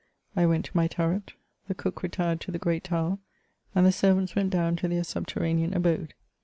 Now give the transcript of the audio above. I went to my turret ; the cook retired to the great tower, and the servants went down to their subterranean abode.